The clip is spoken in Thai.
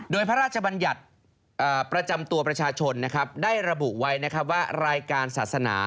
โดยพระราชบัญญัติประจำตัวประชาชนได้ระบุไว้นะครับว่ารายการศาสนา